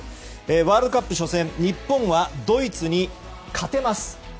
ワールドカップ初戦日本はドイツに勝てます。